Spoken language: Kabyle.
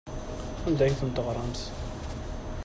Anda ay ten-teɣramt?